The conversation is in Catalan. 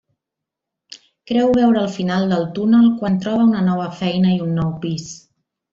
Creu veure el final del túnel quan troba una nova feina i un nou pis.